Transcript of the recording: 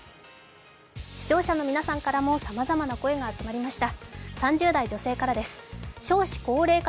視聴者の皆さんからもさまざまな声が集まりました。